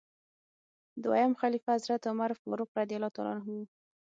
دویم خلیفه حضرت عمر فاروق رض و.